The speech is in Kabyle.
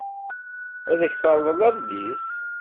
Ad ak-terḍel adlis.